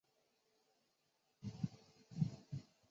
森帕赫战役后霍赫多夫由卢塞恩管辖。